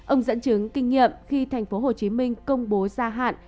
ông dẫn chứng kinh nghiệm khi tp hcm công bố gia hạn